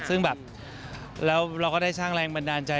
ซึ่งแบบแล้วเราก็ได้สร้างแรงบันดาลใจ